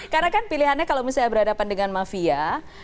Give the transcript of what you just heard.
karena kan pilihannya kalau misalnya berhadapan dengan mafia